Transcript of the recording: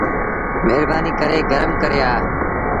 مهربآنيٚ ڪري گرم ڪري آ۔